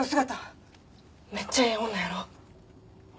めっちゃええ女やろ？